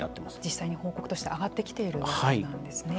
実際に報告として上がってきているわけなんですね。